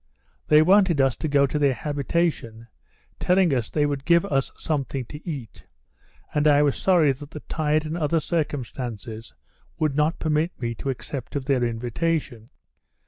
They wanted us to go to their habitation, telling us they would give us something to eat; and I was sorry that the tide and other circumstances would not permit me to accept of their invitation.